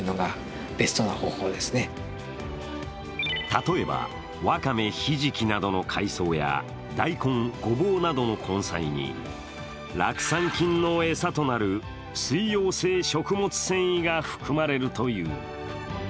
例えば、わかめ、ひじきなどの海藻や大根、ごぼうなどの根菜に酪酸菌の餌となる水溶性食物繊維が含まれるという。